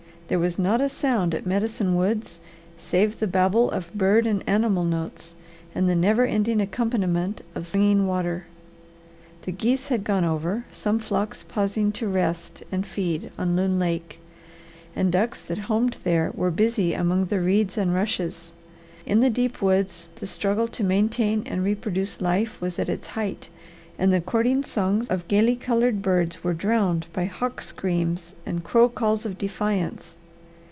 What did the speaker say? There was not a sound at Medicine Woods save the babel of bird and animal notes and the never ending accompaniment of Singing Water. The geese had gone over, some flocks pausing to rest and feed on Loon Lake, and ducks that homed there were busy among the reeds and rushes. In the deep woods the struggle to maintain and reproduce life was at its height, and the courting songs of gaily coloured birds were drowned by hawk screams and crow calls of defiance.